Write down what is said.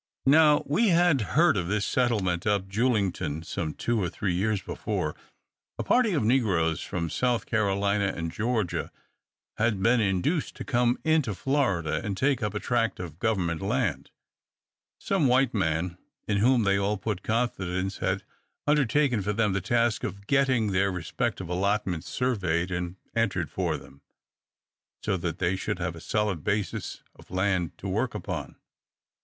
Now, we had heard of this settlement up Julington some two or three years before. A party of negroes from South Carolina and Georgia had been induced to come into Florida, and take up a tract of government land. Some white man in whom they all put confidence had undertaken for them the task of getting their respective allotments surveyed and entered for them, so that they should have a solid basis of land to work upon.